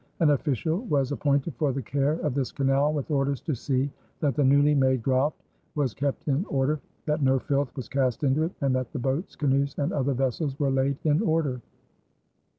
An official was appointed for the care of this canal with orders to see "that the newly made graft was kept in order, that no filth was cast into it, and that the boats, canoes, and other vessels were laid in order."